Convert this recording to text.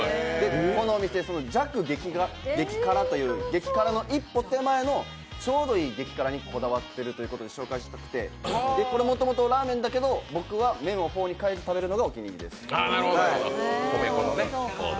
このお店、弱激辛という、激辛の一歩手前のちょうどいい激辛にこだわっているということで紹介してて、これもともとラーメンだけど、僕は麺をフォーに変えて食べるのがお気に入りです。